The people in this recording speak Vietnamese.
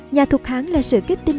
nhà thục hán là sự kết tinh